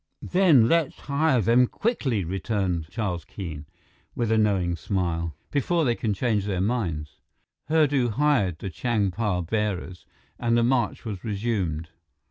"Then let's hire them quickly," returned Charles Keene, with a knowing smile, "before they can change their minds." Hurdu hired the Changpa bearers, and the march was resumed.